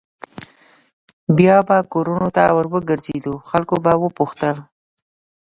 بیا به کورونو ته ور وګرځېدو خلکو به پوښتل.